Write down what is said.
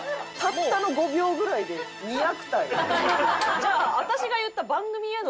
じゃあ私が言った。